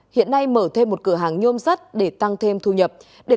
hiện nay mở thêm một cửa hàng nhôm sắt để tăng thêm thu nhập